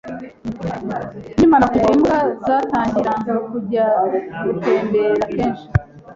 Nkimara kugira imbwa, nzatangira kujya gutembera kenshi.